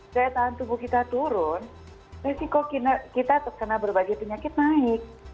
saya tahu kalau tubuh kita turun resiko kita terkena berbagai penyakit naik